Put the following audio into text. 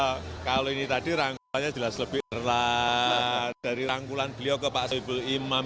oh kalau ini tadi rangkaian jelas lebih terlar dari rangkulan beliau ke pak sohibul iman